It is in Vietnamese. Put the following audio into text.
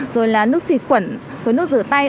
rồi là nước xịt quẩn với nước rửa tay